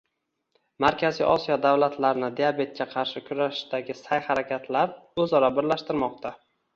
Markaziy Osiyo davlatlarini diabetga qarshi kurashishdagi sa’y-harakatlar o‘zaro birlashtirmoqda